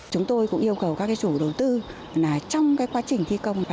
chúng tôi cũng yêu cầu các chủ đầu tư trong quá trình thi công